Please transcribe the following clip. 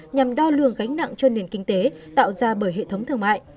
nhằm đo lường gánh nặng cho nền kinh tế tạo ra bởi hệ thống thương mại